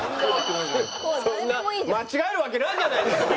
そんな間違えるわけないじゃないですか！